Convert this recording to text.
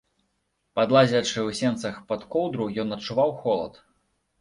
Падлазячы ў сенцах пад коўдру, ён адчуваў холад.